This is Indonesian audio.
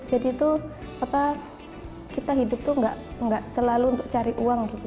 jadi tuh apa kita hidup tuh enggak enggak selalu untuk cari uang gitu